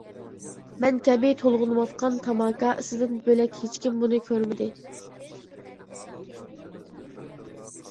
مەن كەبى تولغىنىۋاتقان تاماكا ئىسىدىن بۆلەك ھېچكىم بۇنى كۆرمىدى.